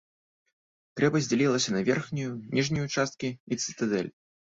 Крэпасць дзялілася на верхнюю, ніжнюю часткі і цытадэль.